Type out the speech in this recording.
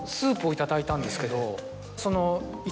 いただいたんですけど。